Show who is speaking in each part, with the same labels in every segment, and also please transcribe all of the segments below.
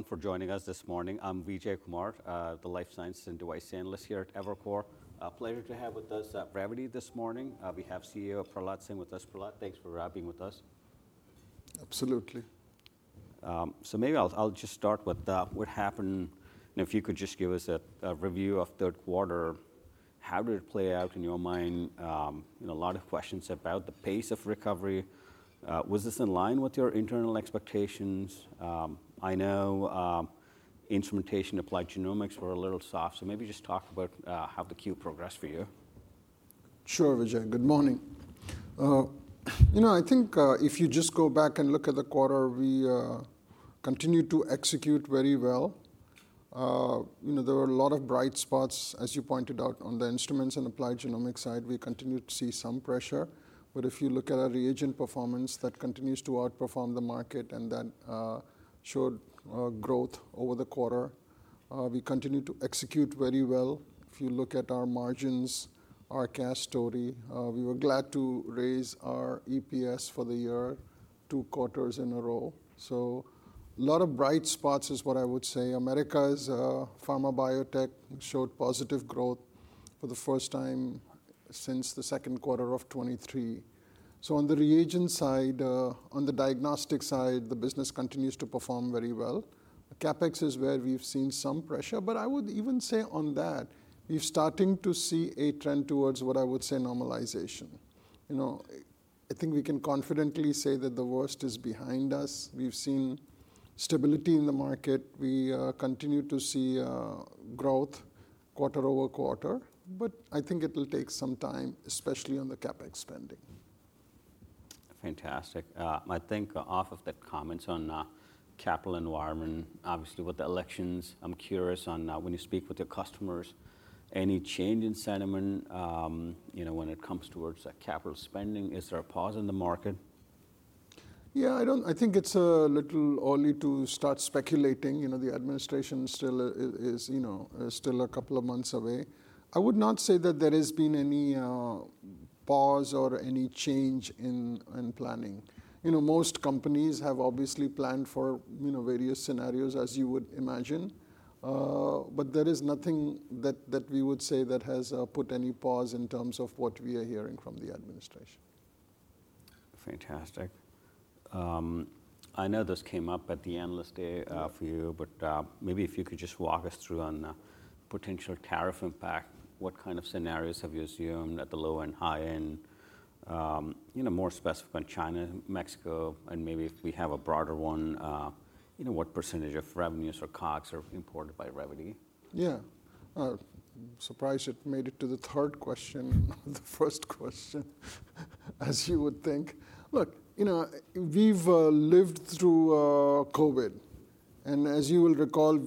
Speaker 1: Everyone for joining us this morning. I'm Vijay Kumar, the Life Sciences and Devices Analyst here at Evercore. Pleasure to have with us Revvity this morning. We have CEO Prahlad Singh with us. Prahlad, thanks for being with us.
Speaker 2: Absolutely.
Speaker 1: So maybe I'll just start with what happened. If you could just give us a review of third quarter, how did it play out in your mind? A lot of questions about the pace of recovery. Was this in line with your internal expectations? I know instrumentation, Applied Genomics were a little soft. So maybe just talk about how the Q progressed for you.
Speaker 2: Sure, Vijay. Good morning. You know, I think if you just go back and look at the quarter, we continued to execute very well. There were a lot of bright spots, as you pointed out, on the instruments and Applied Genomics side. We continued to see some pressure. But if you look at our reagent performance, that continues to outperform the market, and that showed growth over the quarter. We continued to execute very well. If you look at our margins, our cash story, we were glad to raise our EPS for the year two quarters in a row. So a lot of bright spots is what I would say. Americas pharma biotech showed positive growth for the first time since the second quarter of 2023. So on the reagent side, on the diagnostic side, the business continues to perform very well. CapEx is where we've seen some pressure. But I would even say on that, we're starting to see a trend towards what I would say normalization. I think we can confidently say that the worst is behind us. We've seen stability in the market. We continue to see growth quarter over quarter. But I think it will take some time, especially on the CapEx spending.
Speaker 1: Fantastic. I think off of the comments on capital environment, obviously with the elections, I'm curious on when you speak with your customers, any change in sentiment when it comes towards capital spending? Is there a pause in the market?
Speaker 2: Yeah, I think it's a little early to start speculating. The administration is still a couple of months away. I would not say that there has been any pause or any change in planning. Most companies have obviously planned for various scenarios, as you would imagine. But there is nothing that we would say that has put any pause in terms of what we are hearing from the administration.
Speaker 1: Fantastic. I know this came up at the Analyst Day for you, but maybe if you could just walk us through on potential tariff impact, what kind of scenarios have you assumed at the low and high end? More specific on China, Mexico, and maybe if we have a broader one, what percentage of revenues or COGS are imported by Revvity?
Speaker 2: Yeah. Surprised it made it to the third question of the first question, as you would think. Look, we've lived through COVID. And as you will recall,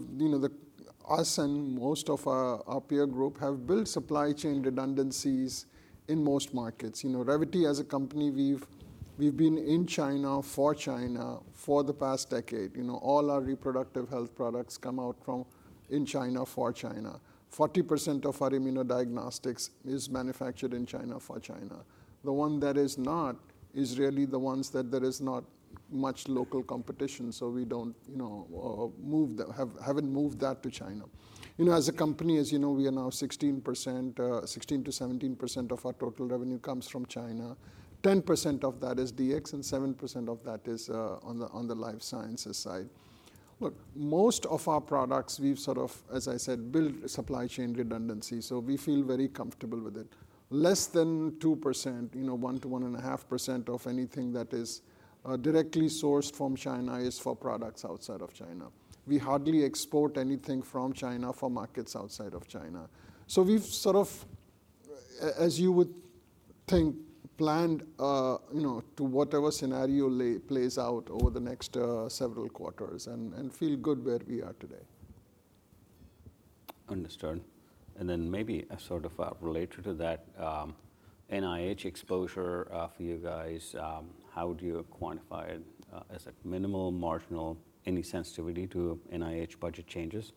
Speaker 2: us and most of our peer group have built supply chain redundancies in most markets. Revvity as a company, we've been in China for China for the past decade. All our reproductive health products come out in China for China. 40% of our immunodiagnostics is manufactured in China for China. The one that is not is really the ones that there is not much local competition, so we haven't moved that to China. As a company, as you know, we are now 16%-17% of our total revenue comes from China. 10% of that is DX, and 7% of that is on the life sciences side. Look, most of our products, we've sort of, as I said, built supply chain redundancy. So we feel very comfortable with it. Less than 2%, 1% to 1.5% of anything that is directly sourced from China is for products outside of China. We hardly export anything from China for markets outside of China. So we've sort of, as you would think, planned to whatever scenario plays out over the next several quarters and feel good where we are today.
Speaker 1: Understood. And then maybe sort of related to that, NIH exposure for you guys, how do you quantify it? Is it minimal, marginal, any sensitivity to NIH budget changes?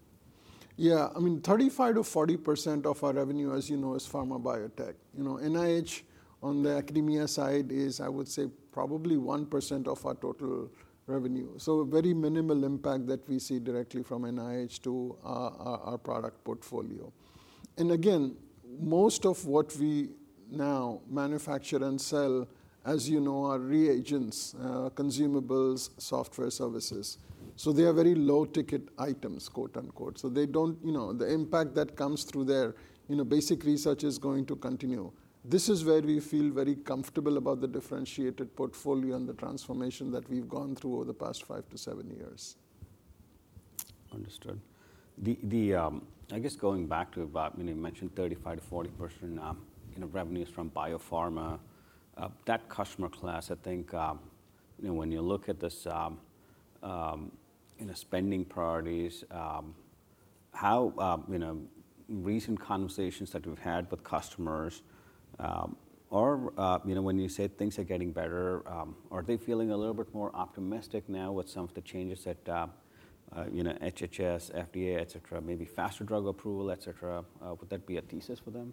Speaker 2: Yeah. I mean, 35%-40% of our revenue, as you know, is pharma biotech. NIH on the academia side is, I would say, probably 1% of our total revenue. So very minimal impact that we see directly from NIH to our product portfolio. And again, most of what we now manufacture and sell, as you know, are reagents, consumables, software services. So they are very low-ticket items, quote unquote. So the impact that comes through their basic research is going to continue. This is where we feel very comfortable about the differentiated portfolio and the transformation that we've gone through over the past five to seven years.
Speaker 1: Understood. I guess going back to, you mentioned 35%-40% revenues from biopharma. That customer class, I think when you look at this spending priorities, how recent conversations that we've had with customers or when you say things are getting better, are they feeling a little bit more optimistic now with some of the changes that HHS, FDA, et cetera, maybe faster drug approval, et cetera? Would that be a thesis for them?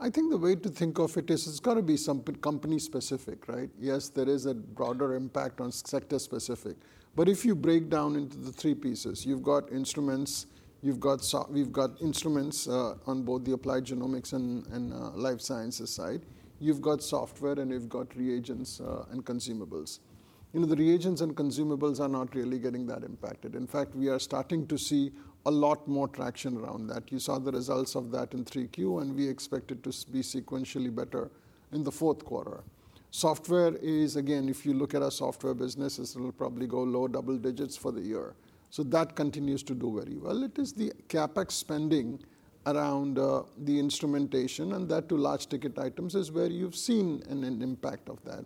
Speaker 2: I think the way to think of it is it's got to be something company specific, right? Yes, there is a broader impact on sector specific. But if you break down into the three pieces, you've got instruments, we've got instruments on both the Applied Genomics and Life Sciences side. You've got software, and you've got reagents and consumables. The reagents and consumables are not really getting that impacted. In fact, we are starting to see a lot more traction around that. You saw the results of that in Q3, and we expect it to be sequentially better in the fourth quarter. Software is, again, if you look at our software business, it'll probably go low double digits for the year. So that continues to do very well. It is the CapEx spending around the instrumentation and that to large ticket items is where you've seen an impact of that.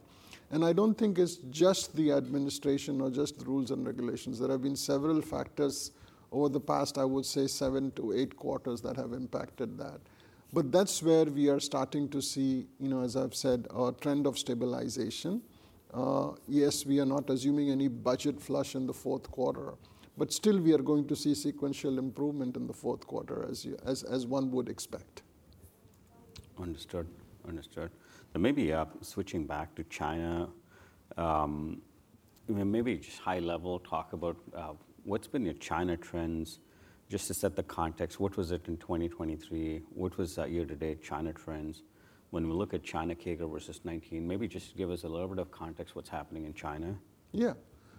Speaker 2: And I don't think it's just the administration or just the rules and regulations. There have been several factors over the past, I would say, seven to eight quarters that have impacted that. But that's where we are starting to see, as I've said, a trend of stabilization. Yes, we are not assuming any budget flush in the fourth quarter, but still we are going to see sequential improvement in the fourth quarter, as one would expect.
Speaker 1: Understood. Understood. Maybe switching back to China, maybe just high level talk about what's been your China trends, just to set the context. What was it in 2023? What was year to date China trends? When we look at China CAGR versus 2019, maybe just give us a little bit of context what's happening in China.
Speaker 2: Yeah,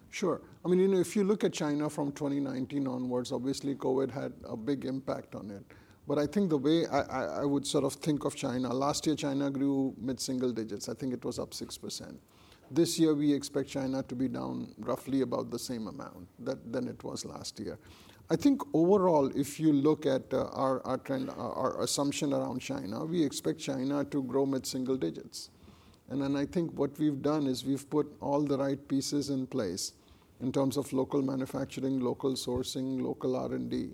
Speaker 2: sure. I mean, if you look at China from 2019 onwards, obviously COVID had a big impact on it. But I think the way I would sort of think of China, last year China grew mid single digits. I think it was up 6%. This year we expect China to be down roughly about the same amount than it was last year. I think overall, if you look at our assumption around China, we expect China to grow mid single digits. And then I think what we've done is we've put all the right pieces in place in terms of local manufacturing, local sourcing, local R&D.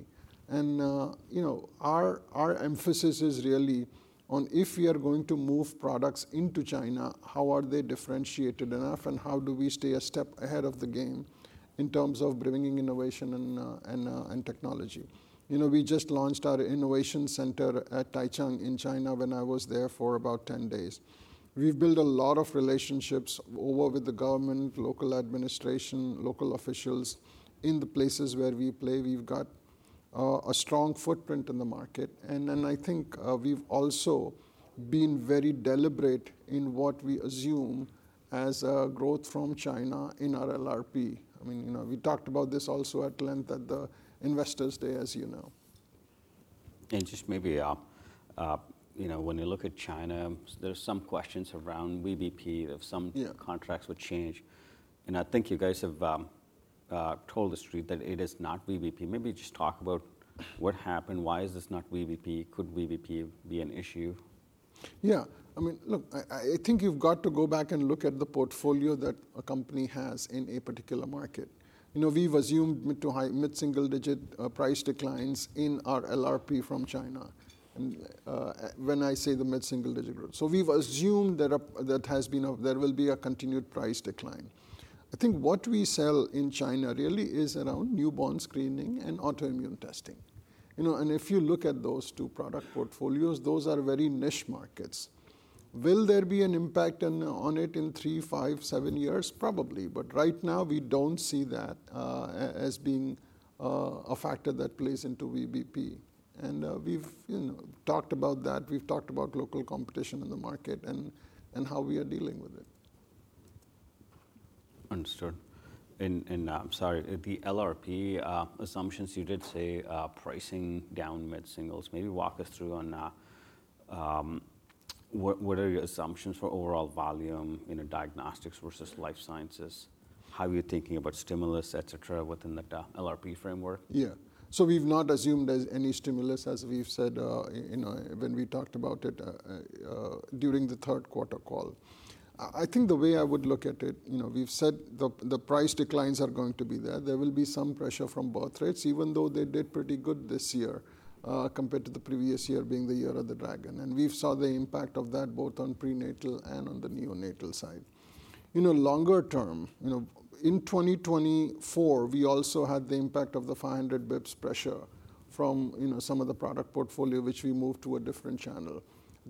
Speaker 2: And our emphasis is really on if we are going to move products into China, how are they differentiated enough, and how do we stay a step ahead of the game in terms of bringing innovation and technology. We just launched our innovation center at Taicang in China when I was there for about 10 days. We've built a lot of relationships over with the government, local administration, local officials in the places where we play. We've got a strong footprint in the market, and then I think we've also been very deliberate in what we assume as growth from China in our LRP. I mean, we talked about this also at length at the Investor Day, as you know.
Speaker 1: And just maybe when you look at China, there are some questions around VBP. There are some contracts which change. And I think you guys have told the street that it is not VBP. Maybe just talk about what happened. Why is this not VBP? Could VBP be an issue?
Speaker 2: Yeah. I mean, look, I think you've got to go back and look at the portfolio that a company has in a particular market. We've assumed mid single digit price declines in our LRP from China. When I say the mid single digit growth, so we've assumed that there will be a continued price decline. I think what we sell in China really is around newborn screening and autoimmune testing. And if you look at those two product portfolios, those are very niche markets. Will there be an impact on it in three, five, seven years? Probably. But right now, we don't see that as being a factor that plays into VBP. And we've talked about that. We've talked about local competition in the market and how we are dealing with it.
Speaker 1: Understood. And I'm sorry, the LRP assumptions, you did say pricing down mid singles. Maybe walk us through on what are your assumptions for overall volume in diagnostics versus life sciences? How are you thinking about stimulus, et cetera, within the LRP framework?
Speaker 2: Yeah. So we've not assumed there's any stimulus, as we've said when we talked about it during the third quarter call. I think the way I would look at it, we've said the price declines are going to be there. There will be some pressure from birth rates, even though they did pretty good this year compared to the previous year being the Year of the Dragon. And we've saw the impact of that both on prenatal and on the neonatal side. Longer term, in 2024, we also had the impact of the 500 basis points pressure from some of the product portfolio, which we moved to a different channel.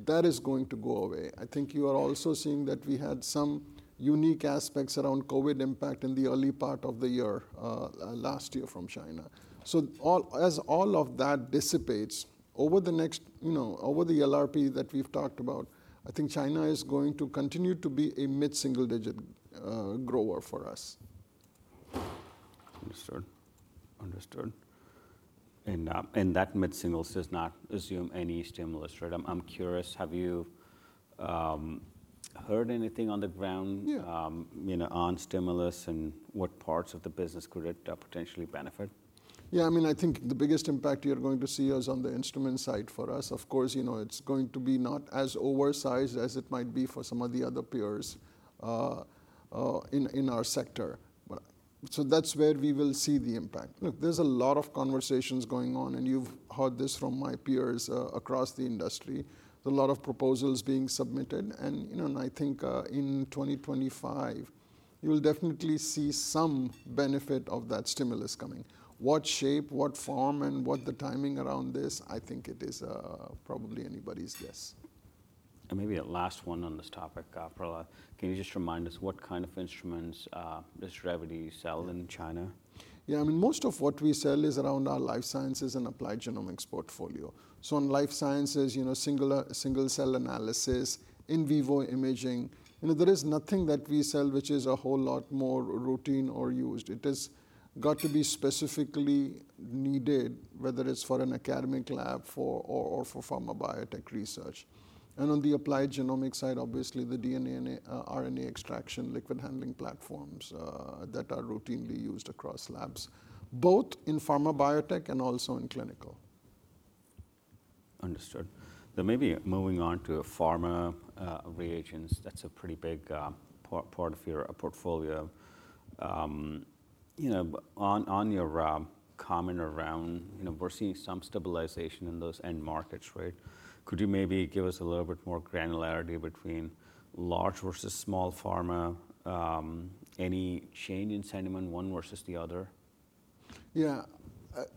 Speaker 2: That is going to go away. I think you are also seeing that we had some unique aspects around COVID impact in the early part of the year last year from China. As all of that dissipates, over the next LRP that we've talked about, I think China is going to continue to be a mid-single-digit grower for us.
Speaker 1: Understood. And that mid singles does not assume any stimulus, right? I'm curious, have you heard anything on the ground on stimulus and what parts of the business could it potentially benefit?
Speaker 2: Yeah. I mean, I think the biggest impact you're going to see is on the instrument side for us. Of course, it's going to be not as oversized as it might be for some of the other peers in our sector. So that's where we will see the impact. Look, there's a lot of conversations going on, and you've heard this from my peers across the industry. There's a lot of proposals being submitted. And I think in 2025, you'll definitely see some benefit of that stimulus coming. What shape, what form, and what the timing around this, I think it is probably anybody's guess.
Speaker 1: Maybe a last one on this topic, Prahlad, can you just remind us what kind of instruments does Revvity sell in China?
Speaker 2: Yeah. I mean, most of what we sell is around our Life Sciences and Applied Genomics portfolio. So in Life Sciences, single cell analysis, in vivo imaging, there is nothing that we sell which is a whole lot more routine or used. It has got to be specifically needed, whether it's for an academic lab or for pharma biotech research. And on the Applied Genomics side, obviously the DNA and RNA extraction liquid handling platforms that are routinely used across labs, both in pharma biotech and also in clinical.
Speaker 1: Understood. Then maybe moving on to pharma reagents, that's a pretty big part of your portfolio. On your comment around, we're seeing some stabilization in those end markets, right? Could you maybe give us a little bit more granularity between large versus small pharma? Any change in sentiment one versus the other?
Speaker 2: Yeah.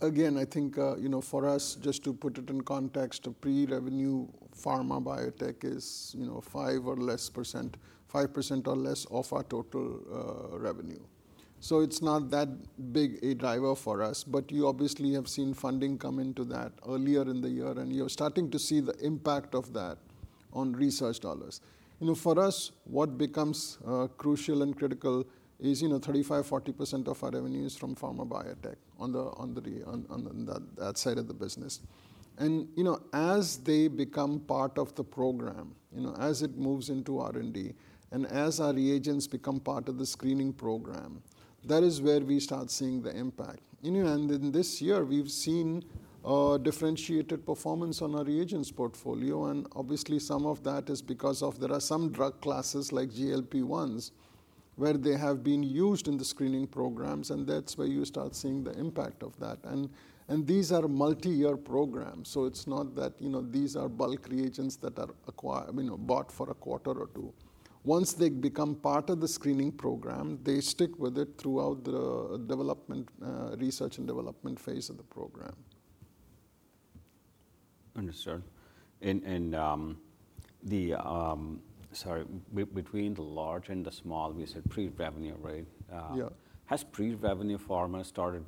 Speaker 2: Again, I think for us, just to put it in context, a pre-revenue pharma biotech is 5% or less of our total revenue. So it's not that big a driver for us, but you obviously have seen funding come into that earlier in the year, and you're starting to see the impact of that on research dollars. For us, what becomes crucial and critical is 35%, 40% of our revenue is from pharma biotech on that side of the business. And as they become part of the program, as it moves into R&D, and as our reagents become part of the screening program, that is where we start seeing the impact. And in this year, we've seen differentiated performance on our reagents portfolio. Obviously, some of that is because there are some drug classes like GLP-1s where they have been used in the screening programs, and that's where you start seeing the impact of that. These are multi-year programs. It's not that these are bulk reagents that are bought for a quarter or two. Once they become part of the screening program, they stick with it throughout the research and development phase of the program.
Speaker 1: Understood, and sorry, between the large and the small, we said pre-revenue, right?
Speaker 2: Yeah.
Speaker 1: Has pre-revenue pharma started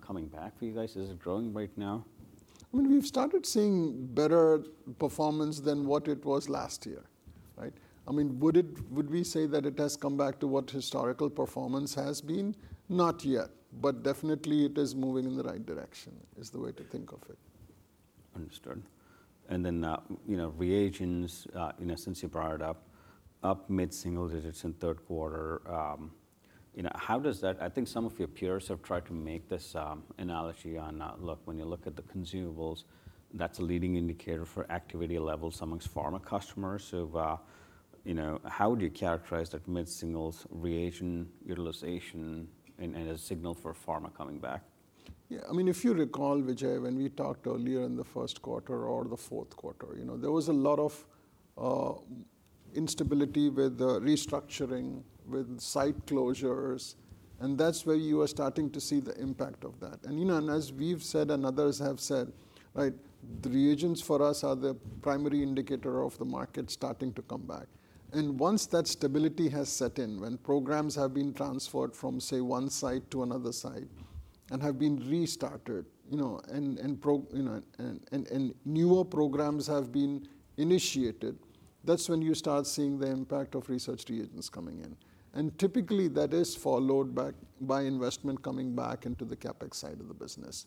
Speaker 1: coming back for you guys? Is it growing right now?
Speaker 2: I mean, we've started seeing better performance than what it was last year, right? I mean, would we say that it has come back to what historical performance has been? Not yet, but definitely it is moving in the right direction, is the way to think of it.
Speaker 1: Understood. And then reagents, in a sense you brought it up, up mid-single digits in third quarter. How does that? I think some of your peers have tried to make this analogy on, look, when you look at the consumables, that's a leading indicator for activity levels amongst pharma customers. How would you characterize that mid-single reagent utilization and a signal for pharma coming back?
Speaker 2: Yeah. I mean, if you recall, Vijay, when we talked earlier in the first quarter or the fourth quarter, there was a lot of instability with restructuring, with site closures, and that's where you are starting to see the impact of that. And as we've said and others have said, right, the reagents for us are the primary indicator of the market starting to come back. And once that stability has set in, when programs have been transferred from, say, one site to another site and have been restarted and newer programs have been initiated, that's when you start seeing the impact of research reagents coming in. And typically, that is followed by investment coming back into the CapEx side of the business.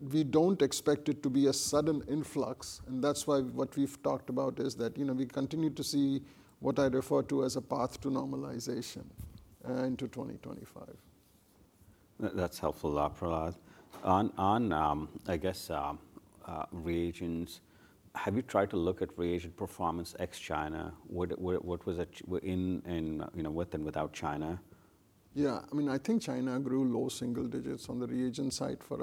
Speaker 2: Now, we don't expect it to be a sudden influx, and that's why what we've talked about is that we continue to see what I refer to as a path to normalization into 2025.
Speaker 1: That's helpful, Prahlad. On, I guess, reagents, have you tried to look at reagent performance ex-China? What was it with and without China?
Speaker 2: Yeah. I mean, I think China grew low single digits on the reagent side for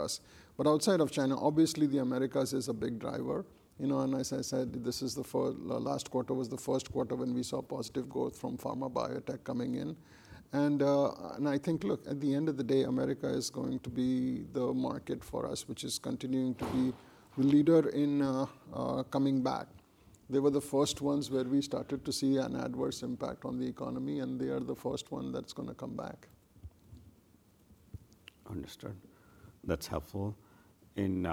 Speaker 2: us. But outside of China, obviously the Americas is a big driver. And as I said, this is the last quarter was the first quarter when we saw positive growth from pharma biotech coming in. And I think, look, at the end of the day, America is going to be the market for us, which is continuing to be the leader in coming back. They were the first ones where we started to see an adverse impact on the economy, and they are the first one that's going to come back.
Speaker 1: Understood. That's helpful. And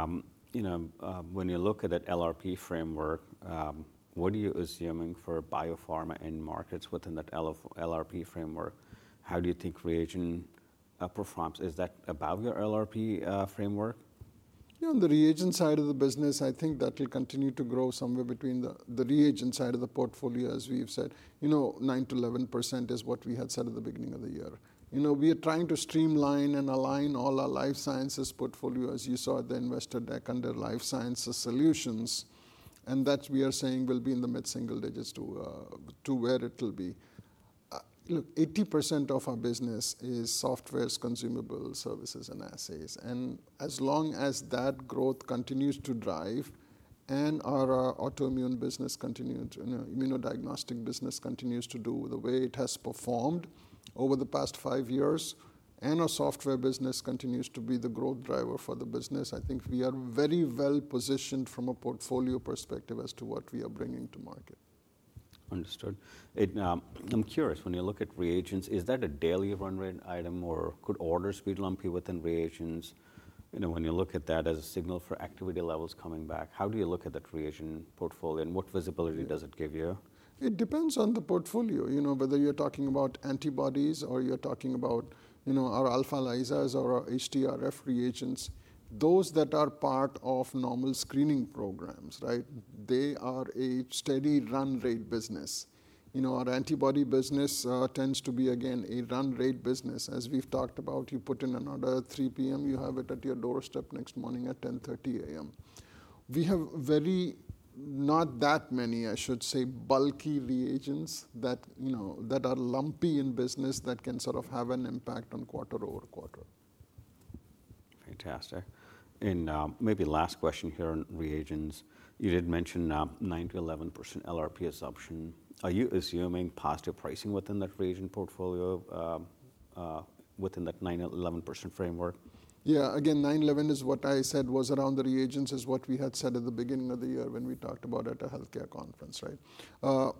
Speaker 1: when you look at that LRP framework, what are you assuming for biopharma end markets within that LRP framework? How do you think reagents perform? Is that above your LRP framework?
Speaker 2: Yeah. On the reagent side of the business, I think that will continue to grow somewhere between the reagent side of the portfolio, as we've said, 9%-11% is what we had said at the beginning of the year. We are trying to streamline and align all our life sciences portfolio, as you saw at the investor deck under life sciences solutions. And that we are saying will be in the mid single digits to where it will be. Look, 80% of our business is software, consumables, services, and assets. As long as that growth continues to drive and our autoimmune business continues, immunodiagnostic business continues to do the way it has performed over the past five years, and our software business continues to be the growth driver for the business, I think we are very well positioned from a portfolio perspective as to what we are bringing to market.
Speaker 1: Understood. I'm curious, when you look at reagents, is that a daily run rate item or could orders be lumpy within reagents? When you look at that as a signal for activity levels coming back, how do you look at that reagent portfolio and what visibility does it give you?
Speaker 2: It depends on the portfolio. Whether you're talking about antibodies or you're talking about our AlphaLISA or our HTRF reagents, those that are part of normal screening programs, right? They are a steady run rate business. Our antibody business tends to be, again, a run rate business. As we've talked about, you put in an order at 3:00 P.M., you have it at your doorstep next morning at 10:30 A.M. We have very not that many, I should say, bulky reagents that are lumpy in business that can sort of have an impact on quarter over quarter.
Speaker 1: Fantastic. And maybe last question here on reagents. You did mention 9%-11% LRP assumption. Are you assuming positive pricing within that reagent portfolio within that 9%-11% framework?
Speaker 2: Yeah. Again, 9%-11% is what I said was around the reagents is what we had said at the beginning of the year when we talked about at a healthcare conference, right?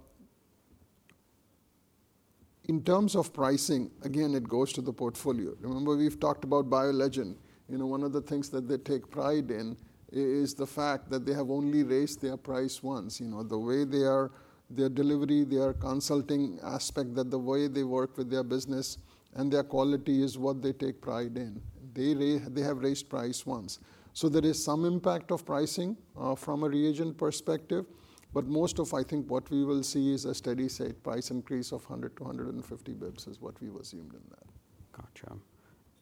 Speaker 2: In terms of pricing, again, it goes to the portfolio. Remember, we've talked about BioLegend. One of the things that they take pride in is the fact that they have only raised their price once. The way their delivery, their consulting aspect, the way they work with their business and their quality is what they take pride in. They have raised price once. So there is some impact of pricing from a reagent perspective, but most of, I think, what we will see is a steady state price increase of 100 basis points to 150 basis points is what we've assumed in that.
Speaker 1: Gotcha.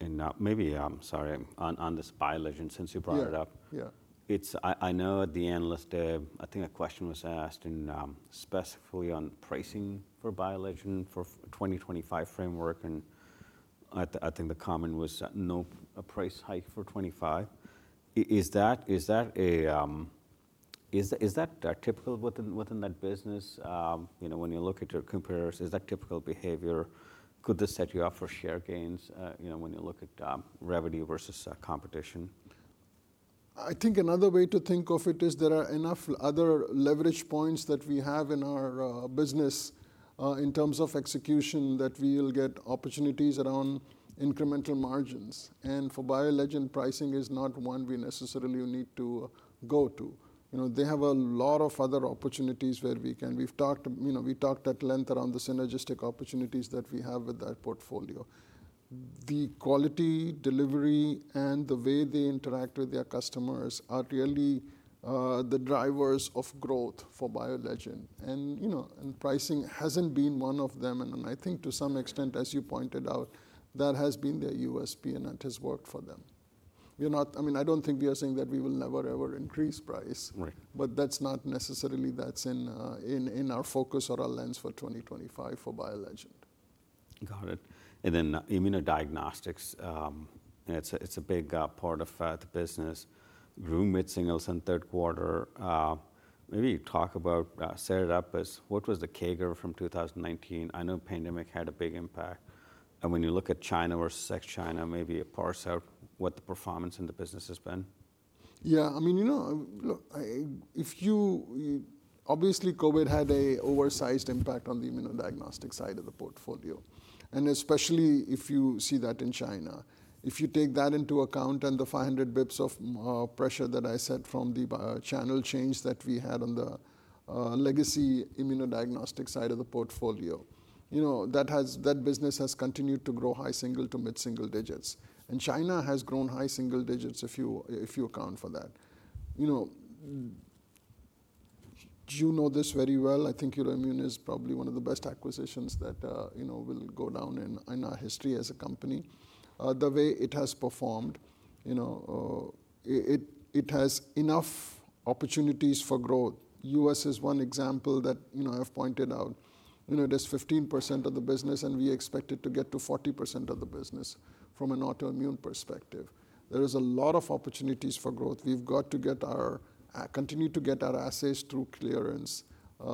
Speaker 1: And maybe, sorry, on this BioLegend, since you brought it up, I know at the end of the day, I think a question was asked specifically on pricing for BioLegend for 2025 framework. And I think the comment was no price hike for 2025. Is that typical within that business? When you look at your competitors, is that typical behavior? Could this set you up for share gains when you look at revenue versus competition?
Speaker 2: I think another way to think of it is there are enough other leverage points that we have in our business in terms of execution that we'll get opportunities around incremental margins, and for BioLegend, pricing is not one we necessarily need to go to. They have a lot of other opportunities where we can. We've talked at length around the synergistic opportunities that we have with that portfolio. The quality delivery and the way they interact with their customers are really the drivers of growth for BioLegend. And pricing hasn't been one of them. And I think to some extent, as you pointed out, that has been their USP and that has worked for them. I mean, I don't think we are saying that we will never, ever increase price, but that's not necessarily that's in our focus or our lens for 2025 for BioLegend.
Speaker 1: Got it. And then immunodiagnostics, it's a big part of the business. Grew mid-singles in third quarter. Maybe you talk about, set it up as what was the CAGR from 2019? I know pandemic had a big impact. And when you look at China versus ex-China, maybe you parse out what the performance in the business has been?
Speaker 2: Yeah. I mean, look, obviously COVID had an oversized impact on the immunodiagnostic side of the portfolio, and especially if you see that in China. If you take that into account and the 500 basis points of pressure that I said from the channel change that we had on the legacy immunodiagnostic side of the portfolio, that business has continued to grow high single- to mid-single-digit. And China has grown high single-digit if you account for that. You know, you know this very well. I think autoimmune is probably one of the best acquisitions that will go down in our history as a company. The way it has performed, it has enough opportunities for growth. U.S. is one example that I've pointed out. It is 15% of the business, and we expect it to get to 40% of the business from an autoimmune perspective. There is a lot of opportunities for growth. We've got to continue to get our assets through clearance.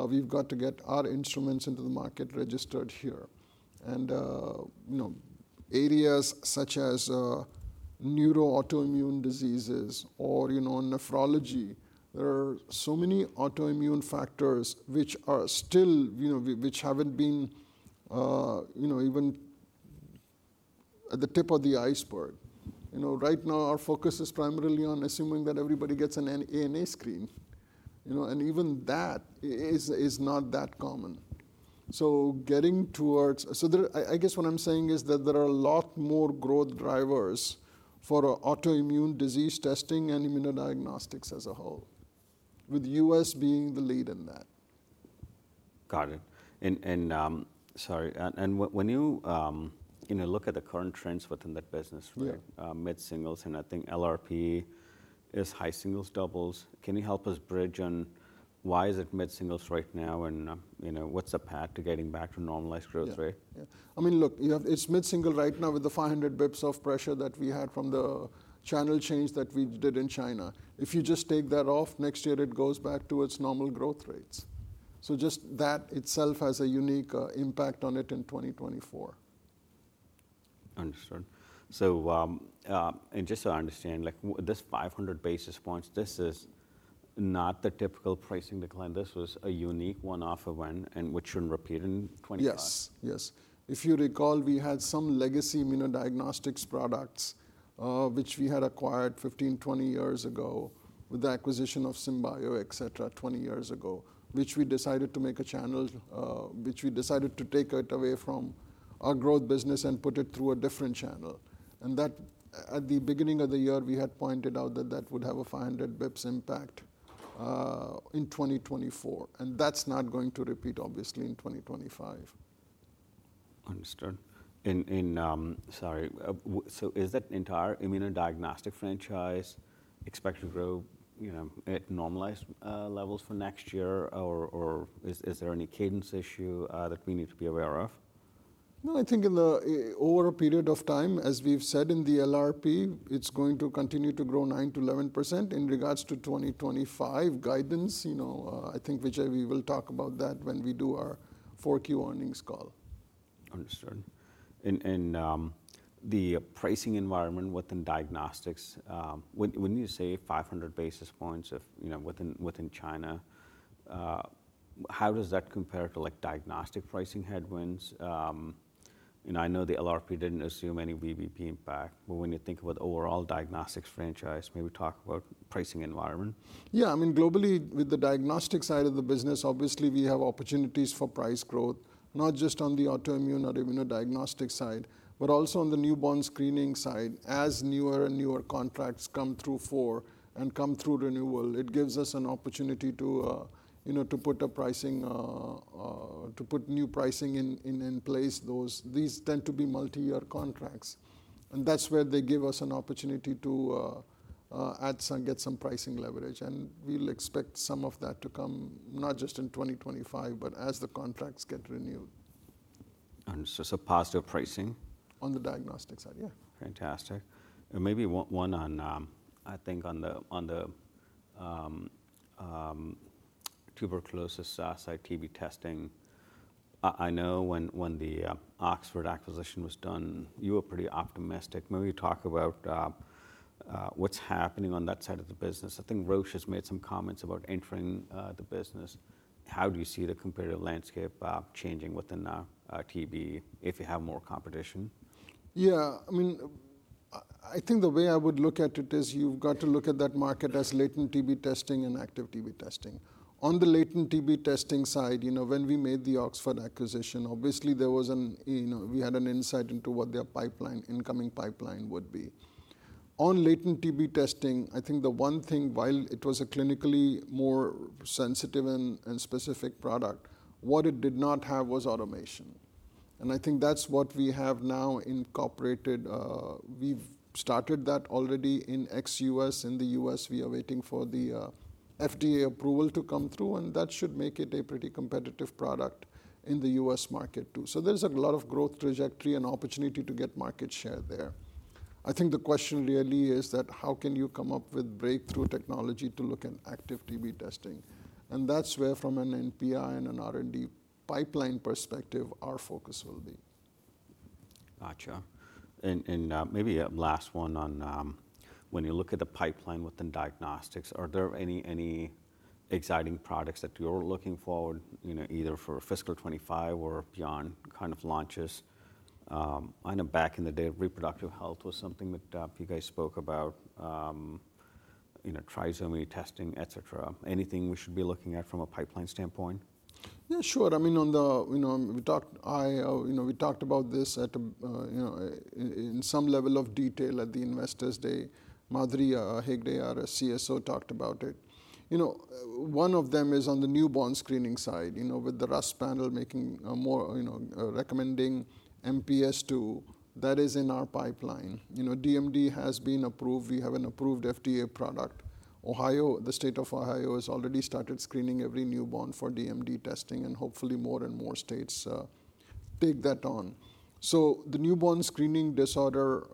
Speaker 2: We've got to get our instruments into the market registered here, and areas such as neuro autoimmune diseases or nephrology. There are so many autoimmune factors which are still, which haven't been even at the tip of the iceberg. Right now, our focus is primarily on assuming that everybody gets an ANA screen, and even that is not that common, so getting towards, so I guess what I'm saying is that there are a lot more growth drivers for autoimmune disease testing and immunodiagnostics as a whole, with U.S. being the lead in that.
Speaker 1: Got it. And sorry, and when you look at the current trends within that business, right, mid singles, and I think LRP is high singles doubles. Can you help us bridge on why is it mid singles right now and what's the path to getting back to normalized growth rate?
Speaker 2: Yeah. I mean, look, it's mid single right now with the 500 basis points of pressure that we had from the channel change that we did in China. If you just take that off, next year it goes back to its normal growth rates. So just that itself has a unique impact on it in 2024.
Speaker 1: Understood. And just so I understand, this 500 basis points, this is not the typical pricing decline. This was a unique one-off event, and it shouldn't repeat in 2025.
Speaker 2: Yes. Yes. If you recall, we had some legacy immunodiagnostics products, which we had acquired 15, 20 years ago with the acquisition of Sym-Bio, et cetera, 20 years ago, which we decided to make a channel, which we decided to take it away from our growth business and put it through a different channel, and that at the beginning of the year, we had pointed out that that would have a 500 basis points impact in 2024, and that's not going to repeat, obviously, in 2025.
Speaker 1: Understood. And sorry, so is that entire immunodiagnostic franchise expected to grow at normalized levels for next year, or is there any cadence issue that we need to be aware of?
Speaker 2: No, I think over a period of time, as we've said in the LRP, it's going to continue to grow 9%-11%. In regards to 2025 guidance, I think, Vijay, we will talk about that when we do our Q4 earnings call.
Speaker 1: Understood. And the pricing environment within diagnostics, when you say 500 basis points within China, how does that compare to diagnostic pricing headwinds? And I know the LRP didn't assume any VBP impact, but when you think about the overall diagnostics franchise, maybe talk about pricing environment.
Speaker 2: Yeah. I mean, globally with the diagnostic side of the business, obviously we have opportunities for price growth, not just on the autoimmune or immunodiagnostic side, but also on the newborn screening side as newer and newer contracts come through for and come through renewal. It gives us an opportunity to put new pricing in place. These tend to be multi-year contracts. And that's where they give us an opportunity to get some pricing leverage. And we'll expect some of that to come not just in 2025, but as the contracts get renewed.
Speaker 1: Understood. So positive pricing.
Speaker 2: On the diagnostic side, yeah.
Speaker 1: Fantastic. And maybe one on, I think on the tuberculosis side TB testing. I know when the Oxford acquisition was done, you were pretty optimistic. Maybe you talk about what's happening on that side of the business. I think Roche has made some comments about entering the business. How do you see the competitive landscape changing within TB if you have more competition?
Speaker 2: Yeah. I mean, I think the way I would look at it is you've got to look at that market as latent TB testing and active TB testing. On the latent TB testing side, when we made the Oxford acquisition, obviously there was an, we had an insight into what their incoming pipeline would be. On latent TB testing, I think the one thing, while it was a clinically more sensitive and specific product, what it did not have was automation. And I think that's what we have now incorporated. We've started that already in ex-U.S. In the U.S., we are waiting for the FDA approval to come through, and that should make it a pretty competitive product in the U.S. market too. So there's a lot of growth trajectory and opportunity to get market share there. I think the question really is that how can you come up with breakthrough technology to look at active TB testing? That's where, from an NPI and an R&D pipeline perspective, our focus will be.
Speaker 1: Gotcha. And maybe last one on when you look at the pipeline within diagnostics, are there any exciting products that you're looking forward either for fiscal 2025 or beyond kind of launches? I know back in the day, reproductive health was something that you guys spoke about, trisomy testing, et cetera. Anything we should be looking at from a pipeline standpoint?
Speaker 2: Yeah, sure. I mean, we talked about this in some level of detail at the Investor Day. Madhuri Hegde, our CSO, talked about it. One of them is on the newborn screening side with the RUSP making a recommendation for MPS II. That is in our pipeline. DMD has been approved. We have an approved FDA product. The state of Ohio has already started screening every newborn for DMD testing, and hopefully more and more states take that on. So the newborn screening disorder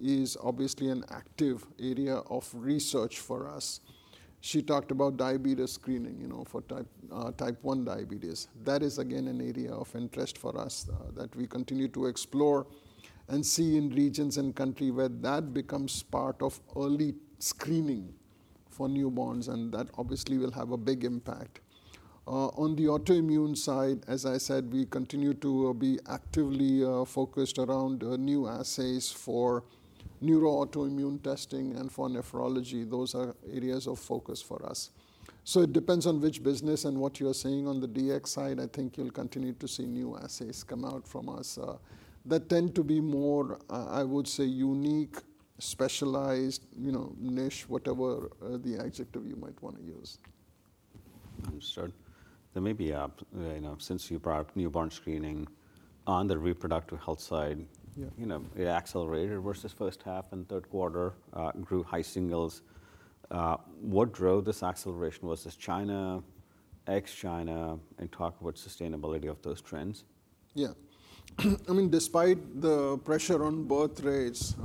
Speaker 2: is obviously an active area of research for us. She talked about diabetes screening for type 1 diabetes. That is, again, an area of interest for us that we continue to explore and see in regions and countries where that becomes part of early screening for newborns, and that obviously will have a big impact. On the autoimmune side, as I said, we continue to be actively focused around new assays for neuro autoimmune testing and for nephrology. Those are areas of focus for us. So it depends on which business and what you're saying on the DX side. I think you'll continue to see new assays come out from us that tend to be more, I would say, unique, specialized, niche, whatever the adjective you might want to use.
Speaker 1: Understood. There may be, since you brought up newborn screening on the reproductive health side, it accelerated versus first half and third quarter, grew high singles. What drove this acceleration was this China, ex-China, and talk about sustainability of those trends?
Speaker 2: Yeah. I mean, despite the pressure on birth rates,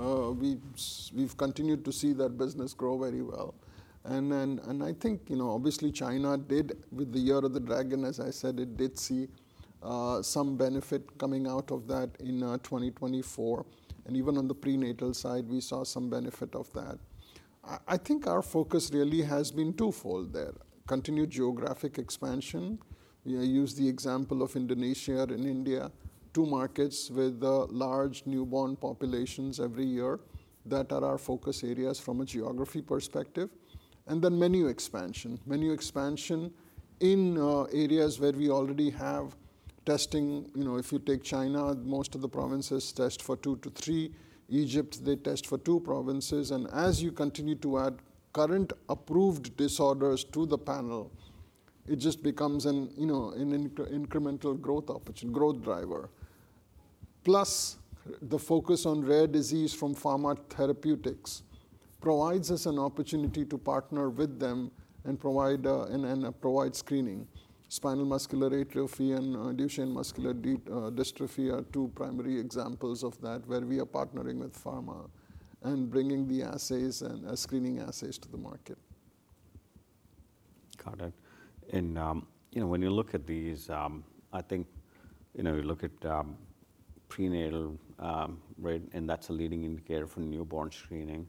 Speaker 2: we've continued to see that business grow very well. And I think obviously China did with the Year of the Dragon, as I said, it did see some benefit coming out of that in 2024. And even on the prenatal side, we saw some benefit of that. I think our focus really has been twofold there. Continued geographic expansion. We use the example of Indonesia and India, two markets with large newborn populations every year that are our focus areas from a geography perspective. And then menu expansion. Menu expansion in areas where we already have testing. If you take China, most of the provinces test for 2-3. Egypt, they test for two disorders. And as you continue to add current approved disorders to the panel, it just becomes an incremental growth driver. Plus, the focus on rare disease from pharma therapeutics provides us an opportunity to partner with them and provide screening. Spinal muscular atrophy and Duchenne muscular dystrophy are two primary examples of that where we are partnering with pharma and bringing the assays and screening assays to the market.
Speaker 1: Got it. And when you look at these, I think you look at prenatal rate, and that's a leading indicator for newborn screening.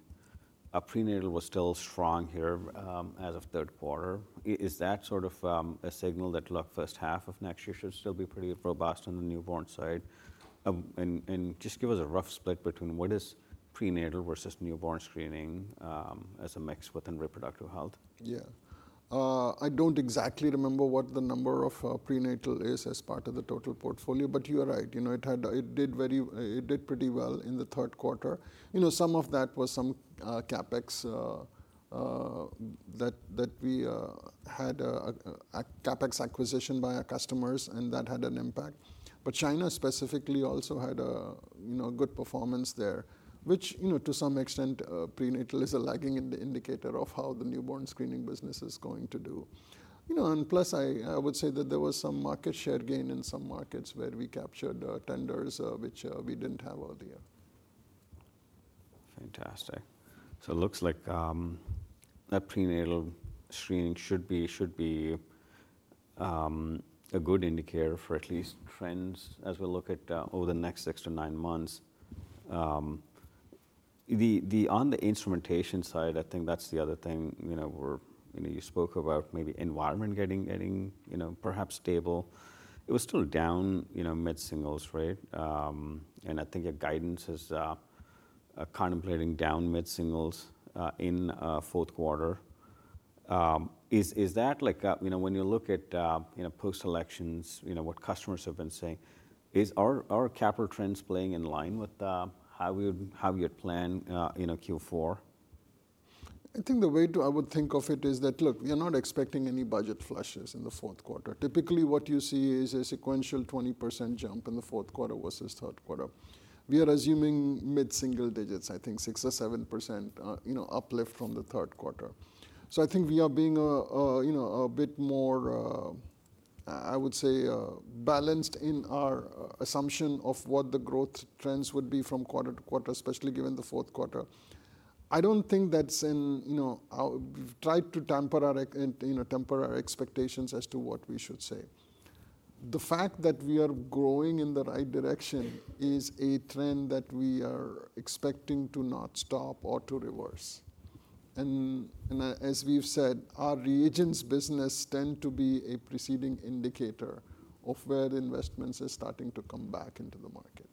Speaker 1: Prenatal was still strong here as of third quarter. Is that sort of a signal that, look, first half of next year should still be pretty robust on the newborn side? And just give us a rough split between what is prenatal versus newborn screening as a mix within reproductive health?
Speaker 2: Yeah. I don't exactly remember what the number of prenatal is as part of the total portfolio, but you're right. It did pretty well in the third quarter. Some of that was some CapEx that we had a CapEx acquisition by our customers, and that had an impact. But China specifically also had a good performance there, which to some extent prenatal is a lagging indicator of how the newborn screening business is going to do, and plus, I would say that there was some market share gain in some markets where we captured tenders which we didn't have earlier.
Speaker 1: Fantastic. So it looks like that prenatal screening should be a good indicator for at least trends as we look at over the next six to nine months. On the instrumentation side, I think that's the other thing. You spoke about maybe environment getting perhaps stable. It was still down mid singles, right? And I think your guidance is contemplating down mid singles in fourth quarter. Is that, when you look at post-elections, what customers have been saying, are our capital trends playing in line with how we had planned Q4?
Speaker 2: I think the way I would think of it is that, look, we are not expecting any budget flushes in the fourth quarter. Typically, what you see is a sequential 20% jump in the fourth quarter versus third quarter. We are assuming mid single digits, I think 6% or 7% uplift from the third quarter. So I think we are being a bit more, I would say, balanced in our assumption of what the growth trends would be from quarter to quarter, especially given the fourth quarter. I don't think that's in, we've tried to temper our expectations as to what we should say. The fact that we are growing in the right direction is a trend that we are expecting to not stop or to reverse. And as we've said, our reagents business tends to be a preceding indicator of where investments are starting to come back into the market.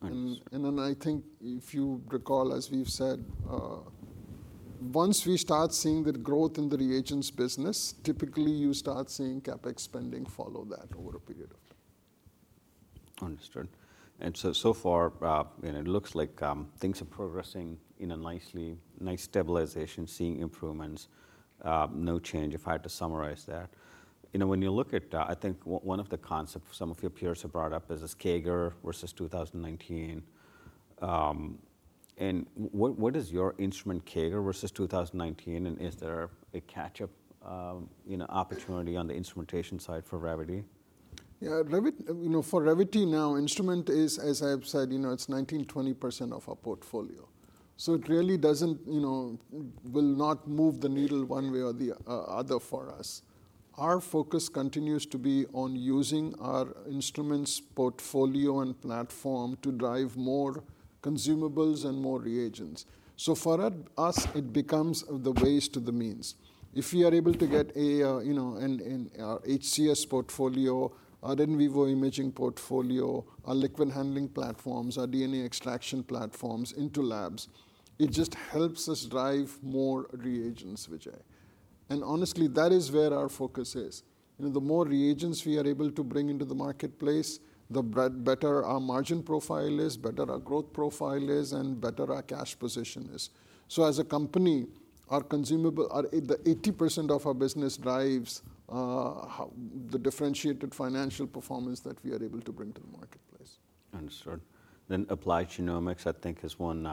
Speaker 2: And then I think if you recall, as we've said, once we start seeing the growth in the reagents business, typically you start seeing CapEx spending follow that over a period of time.
Speaker 1: Understood. And so far, it looks like things are progressing in a nice stabilization, seeing improvements, no change. If I had to summarize that, when you look at, I think one of the concepts some of your peers have brought up is this quarter versus 2019. And what is your instrument quarter versus 2019? And is there a catch-up opportunity on the instrumentation side for Revvity?
Speaker 2: Yeah. For Revvity now, instruments are, as I've said, 19%-20% of our portfolio. So it really will not move the needle one way or the other for us. Our focus continues to be on using our instruments, portfolio, and platform to drive more consumables and more reagents. So for us, it becomes the ways to the means. If we are able to get an HCS portfolio, our in vivo imaging portfolio, our liquid handling platforms, our DNA extraction platforms into labs, it just helps us drive more reagents, Vijay. And honestly, that is where our focus is. The more reagents we are able to bring into the marketplace, the better our margin profile is, better our growth profile is, and better our cash position is. So as a company, the 80% of our business drives the differentiated financial performance that we are able to bring to the marketplace.
Speaker 1: Understood. Then Applied Genomics, I think, is one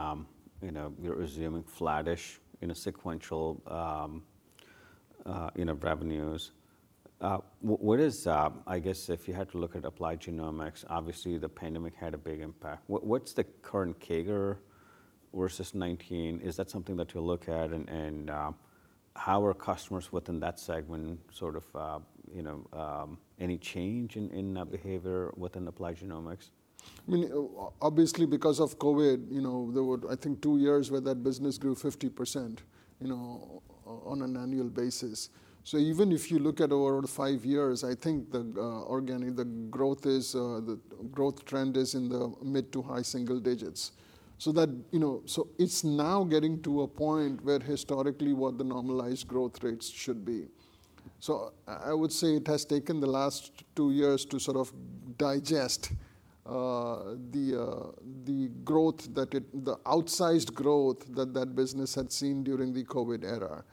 Speaker 1: you're assuming flattish sequential revenues. What is, I guess, if you had to look at Applied Genomics, obviously the pandemic had a big impact. What's the current CAGR versus 2019? Is that something that you look at? And how are customers within that segment sort of any change in behavior within Applied Genomics?
Speaker 2: I mean, obviously because of COVID, there were, I think, two years where that business grew 50% on an annual basis. So even if you look at over five years, I think the growth trend is in the mid to high single digits. So it's now getting to a point where historically what the normalized growth rates should be. So I would say it has taken the last two years to sort of digest the outsized growth that that business had seen during the COVID era.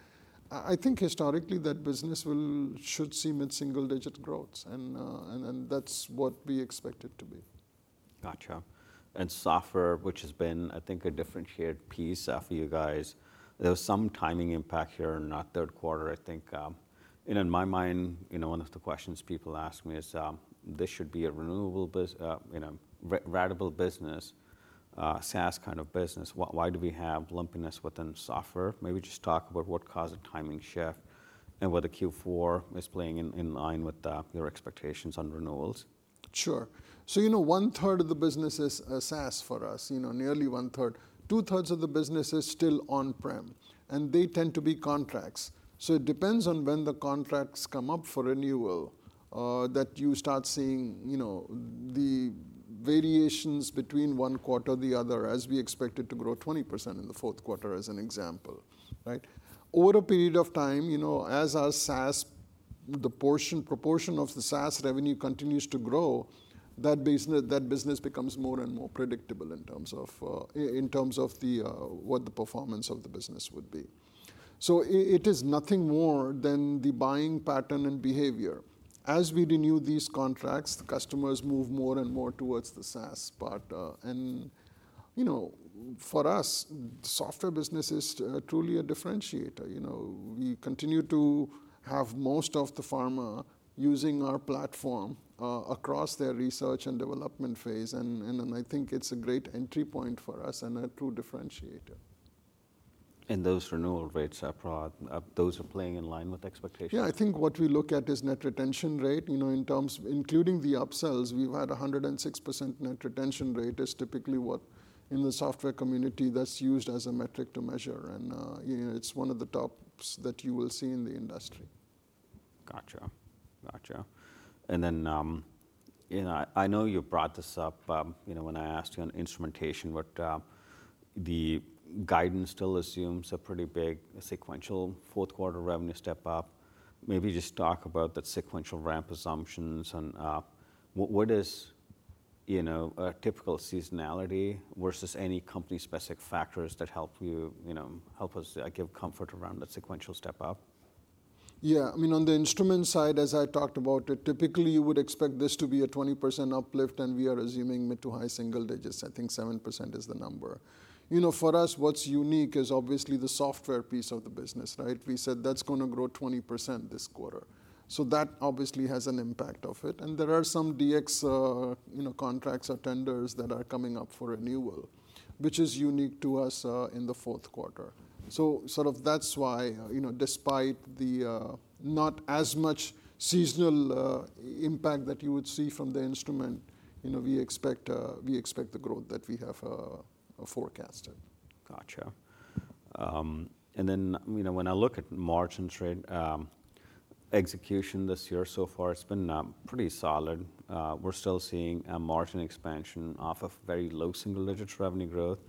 Speaker 2: I think historically that business should see mid single digit growth, and that's what we expect it to be.
Speaker 1: Gotcha. And software, which has been, I think, a differentiated piece for you guys, there was some timing impact here in that third quarter, I think. And in my mind, one of the questions people ask me is this should be a runnable business, SaaS kind of business. Why do we have lumpiness within software? Maybe just talk about what caused the timing shift and whether Q4 is playing in line with your expectations on renewals.
Speaker 2: Sure. So one third of the business is SaaS for us, nearly one third. Two thirds of the business is still on prem, and they tend to be contracts. So it depends on when the contracts come up for renewal that you start seeing the variations between one quarter, the other, as we expect it to grow 20% in the fourth quarter as an example, right? Over a period of time, as the portion of the SaaS revenue continues to grow, that business becomes more and more predictable in terms of what the performance of the business would be. So it is nothing more than the buying pattern and behavior. As we renew these contracts, customers move more and more towards the SaaS part. And for us, software business is truly a differentiator. We continue to have most of the pharma using our platform across their research and development phase. I think it's a great entry point for us and a true differentiator.
Speaker 1: Those renewal rates are broad. Those are playing in line with expectations.
Speaker 2: Yeah. I think what we look at is net retention rate in terms of including the upsells. We've had 106% net retention rate is typically what in the software community that's used as a metric to measure, and it's one of the tops that you will see in the industry.
Speaker 1: Gotcha. Gotcha. And then I know you brought this up when I asked you on instrumentation, but the guidance still assumes a pretty big sequential fourth quarter revenue step up. Maybe just talk about that sequential ramp assumptions. And what is typical seasonality versus any company specific factors that help us give comfort around that sequential step up?
Speaker 2: Yeah. I mean, on the instrument side, as I talked about it, typically you would expect this to be a 20% uplift, and we are assuming mid to high single digits. I think 7% is the number. For us, what's unique is obviously the software piece of the business, right? We said that's going to grow 20% this quarter. So that obviously has an impact of it. And there are some DX contracts or tenders that are coming up for renewal, which is unique to us in the fourth quarter. So sort of that's why despite the not as much seasonal impact that you would see from the instrument, we expect the growth that we have forecasted.
Speaker 1: Gotcha. And then when I look at margin execution this year, so far it's been pretty solid. We're still seeing margin expansion off of very low single digit revenue growth.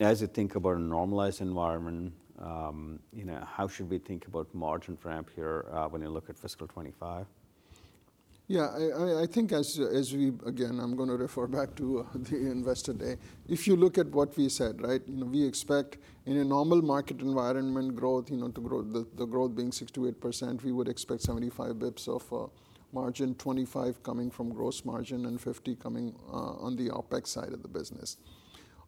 Speaker 1: As you think about a normalized environment, how should we think about margin ramp here when you look at fiscal 2025?
Speaker 2: Yeah. I think as we, again, I'm going to refer back to the Investor Day. If you look at what we said, right, we expect in a normal market environment growth to grow, the growth being 6%-8%, we would expect 75 basis points of margin, 25 coming from gross margin, and 50 coming on the OpEx side of the business.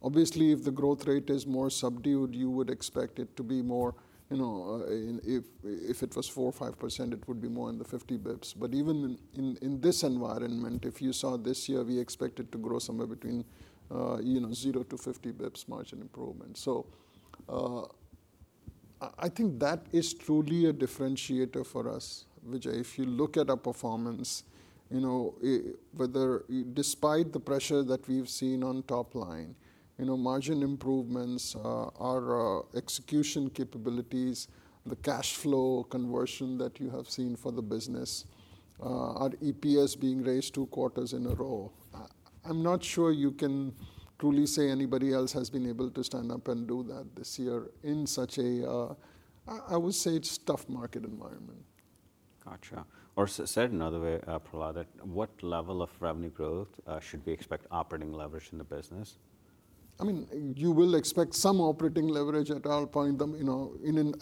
Speaker 2: Obviously, if the growth rate is more subdued, you would expect it to be more. If it was 4% or 5%, it would be more in the 50 basis points. But even in this environment, if you saw this year, we expected to grow somewhere between 0% to 50 basis points margin improvement. So I think that is truly a differentiator for us, Vijay. If you look at our performance, weather despite the pressure that we've seen on top line, margin improvements, our execution capabilities, the cash flow conversion that you have seen for the business, our EPS being raised two quarters in a row. I'm not sure you can truly say anybody else has been able to stand up and do that this year in such a, I would say it's a tough market environment.
Speaker 1: Gotcha. Or said another way, Prahlad, what level of revenue growth should we expect operating leverage in the business?
Speaker 2: I mean, you will expect some operating leverage at all points.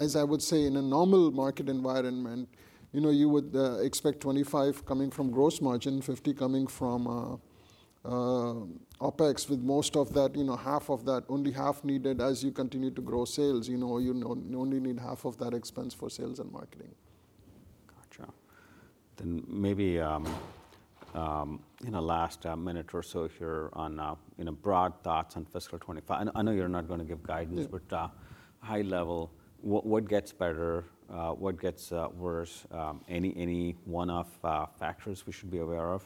Speaker 2: As I would say in a normal market environment, you would expect 25% coming from gross margin, 50% coming from OpEx, with most of that, half of that, only half needed as you continue to grow sales. You only need half of that expense for sales and marketing.
Speaker 1: Gotcha. Then maybe in the last minute or so here on broad thoughts on fiscal 2025, I know you're not going to give guidance, but high level, what gets better, what gets worse, any one-off factors we should be aware of?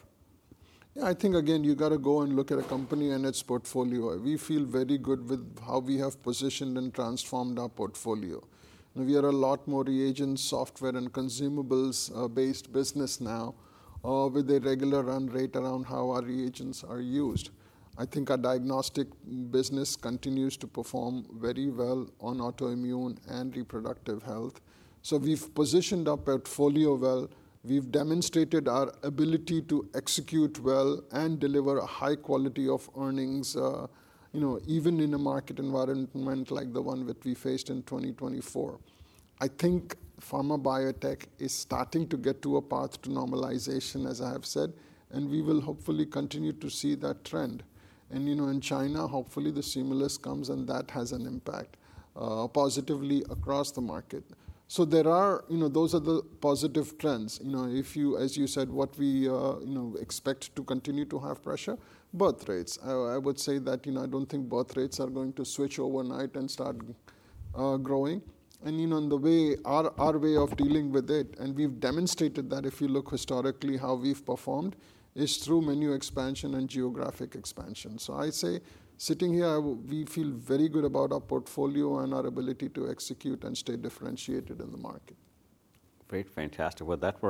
Speaker 2: Yeah. I think again, you got to go and look at a company and its portfolio. We feel very good with how we have positioned and transformed our portfolio. We are a lot more reagents, software, and consumables-based business now with a regular run rate around how our reagents are used. I think our diagnostic business continues to perform very well on autoimmune and reproductive health. So we've positioned our portfolio well. We've demonstrated our ability to execute well and deliver a high quality of earnings even in a market environment like the one that we faced in 2024. I think pharma biotech is starting to get to a path to normalization, as I have said, and we will hopefully continue to see that trend. And in China, hopefully the stimulus comes and that has an impact positively across the market. So those are the positive trends. As you said, what we expect to continue to have pressure birth rates. I would say that I don't think birth rates are going to switch overnight and start growing. The way our way of dealing with it, and we've demonstrated that if you look historically how we've performed is through menu expansion and geographic expansion. I say sitting here, we feel very good about our portfolio and our ability to execute and stay differentiated in the market.
Speaker 1: Great. Fantastic. Well, that.